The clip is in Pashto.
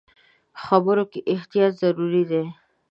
خبرو کې احتیاط ضروري دی.